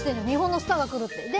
日本のスターが来るって。